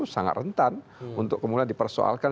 sangat rentan untuk kemudian dipersoalkan